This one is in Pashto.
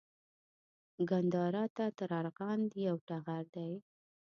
ګندارا نه تر ارغند یو ټغر دی